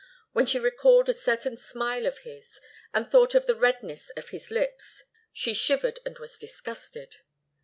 When she recalled a certain smile of his, and thought of the redness of his lips, she shivered and was disgusted.